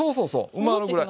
埋まるぐらい。